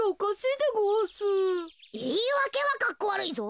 いいわけはかっこわるいぞ。